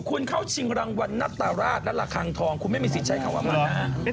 คุณเข้าชิงรางวัลนัตรราชและระคังทองคุณไม่มีสิทธิ์ใช้คำว่ามันนะฮะ